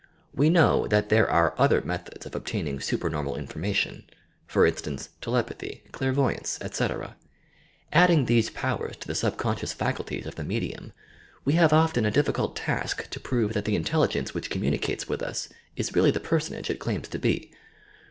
We know that there are other methods of obtaining supernormal information, for instance, telepathy, clairvoyance, etc. Adding these powers to the subconscious faculties of the medium, we have often a difficult task to prove that the Intelligence which communicates with us is really the personage it claims to be.